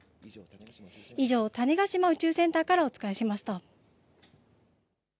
以上、種子島宇宙センターからお伝えしました。